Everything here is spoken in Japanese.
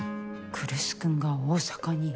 来栖君が大阪に。